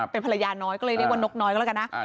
เป็นภรรยาน้อยก็เลยเรียกว่านกน้อยก็แล้วกันนะ